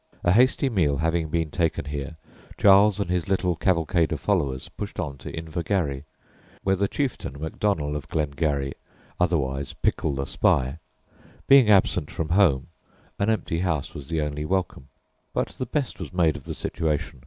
A hasty meal having been taken here, Charles and his little cavalcade of followers pushed on to Invergarry, where the chieftain, Macdonnell of Glengarry, otherwise "Pickle the Spy," being absent from home, an empty house was the only welcome, but the best was made of the situation.